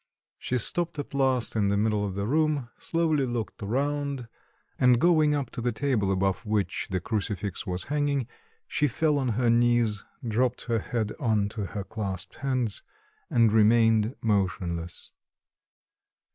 She stopped at last in the middle of the room, slowly looked around, and going up to the table above which the crucifix was hanging, she fell on her knees, dropped her head on to her clasped hands and remained motionless.